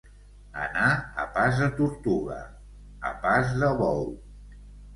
Anar a pas de tortuga, a pas de bou.